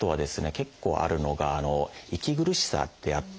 結構あるのが息苦しさってあって。